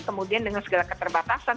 kemudian dengan segala keterbatasan